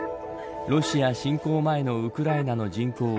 ロシア侵攻前のウクライナの人口